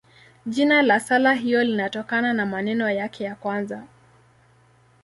Jina la sala hiyo linatokana na maneno yake ya kwanza.